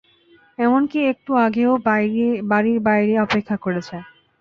এমনকি একটু আগেও বাড়ির বাইরে অপেক্ষা করেছে।